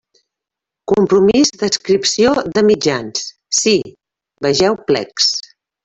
Compromís d'adscripció de mitjans: sí, vegeu plecs.